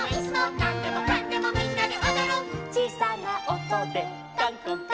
「なんでもかんでもみんなでおどる」「ちいさなおとでかんこんかん」